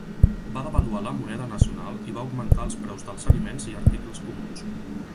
Va devaluar la moneda nacional i va augmentar els preus dels aliments i articles comuns.